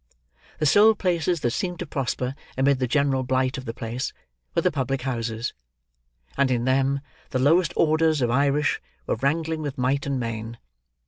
The sole places that seemed to prosper amid the general blight of the place, were the public houses; and in them, the lowest orders of Irish were wrangling with might and main.